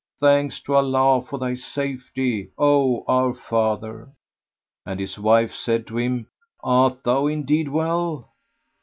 Thanks to Allah for thy safety, O our father!" And his wife said to him, "Art thou indeed well?